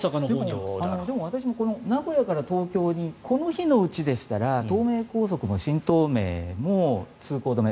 でも私も名古屋から東京にこの日のうちでしたら東名高速も新東名も通行止め。